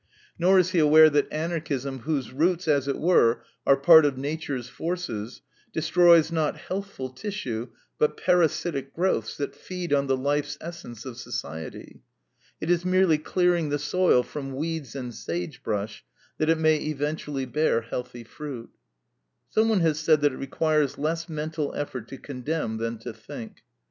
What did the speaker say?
Nor is he aware that Anarchism, whose roots, as it were, are part of nature's forces, destroys, not healthful tissue, but parasitic growths that feed on the life's essence of society. It is merely clearing the soil from weeds and sagebrush, that it may eventually bear healthy fruit. Someone has said that it requires less mental effort to condemn than to think.